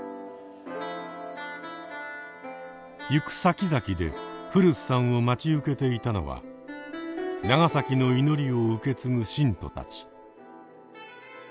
行くさきざきで古巣さんを待ち受けていたのは「長崎の祈り」を受け継ぐ信徒たち。